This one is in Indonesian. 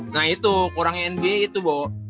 nah itu kurangnya nba itu bo